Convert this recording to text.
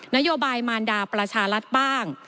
นโยบายมารดาประชารัฐบ้าง